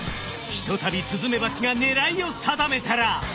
ひとたびスズメバチが狙いを定めたら。